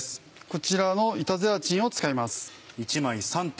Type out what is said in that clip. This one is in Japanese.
こちらの板ゼラチンを使います。